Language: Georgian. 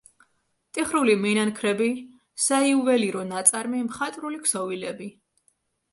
ტიხრული მინანქრები, საიუველირო ნაწარმი, მხატვრული ქსოვილები.